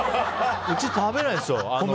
うち食べないんですよ。